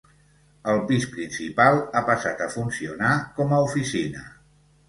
El pis principal ha passat a funcionar com a oficina.